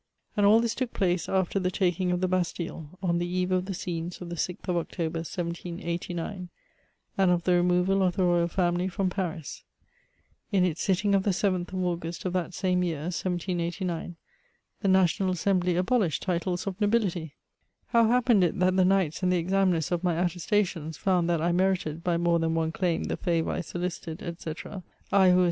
And all this took place after the taking of the Bastille — (m the eve of the scenes of the 6th of October, 1789, and of the r^noval of the royal family from Paris« In its sitting of the 7th of August of that same year» 1789, the Natioxigl ^^ Assembly abolished titles of nobility I How happened it' that ^^ the Knights, and the examiners of my attestations, found that I merited, hy mare than one chim^ the favour I solicited^ Ste, — I, who was